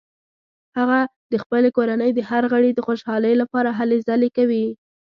هغه د خپلې کورنۍ د هر غړي د خوشحالۍ لپاره هلې ځلې کوي